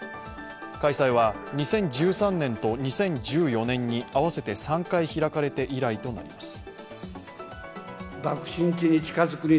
開催は２０１３年と２０１４年に合わせて３回開かれて以来となります。